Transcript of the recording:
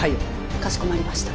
かしこまりました。